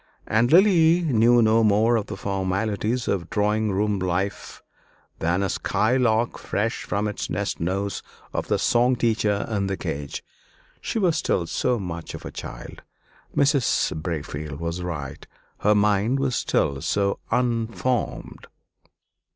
And Lily knew no more of the formalities of drawing room life than a skylark fresh from its nest knows of the song teacher and the cage. She was still so much of a child. Mrs. Braefield was right her mind was still so unformed.